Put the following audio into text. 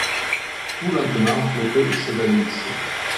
Tout lentement flottait et s’évanouissait